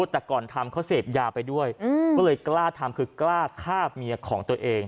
แต่ก่อนทำเขาเสพยาไปด้วยก็เลยกล้าทำคือกล้าฆ่าเมียของตัวเอง